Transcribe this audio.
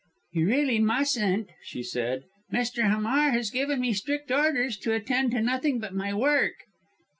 "You really mustn't," she said. "Mr. Hamar has given me strict orders to attend to nothing but my work."